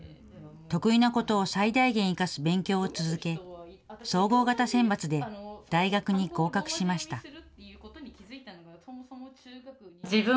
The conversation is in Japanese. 得意なことを最大限生かす勉強を続け、総合型選抜で大学に合格しました。